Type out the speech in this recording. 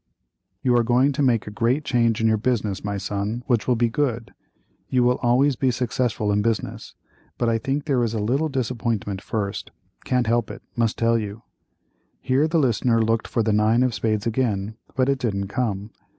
You are going to make a great change in your business, my son, which will be good; you will always be successful in business, but I think there is a little disappointment first; can't help it, must tell you." Here the listener looked for the nine of spades again, but it didn't come.